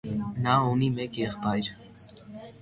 Նա ունի մեկ եղբայր։